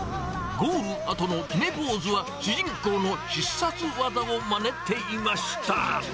ゴールあとの決めポーズは、主人公の必殺技をまねていました。